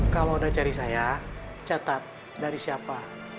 kalau udah cari saya catat dari siapa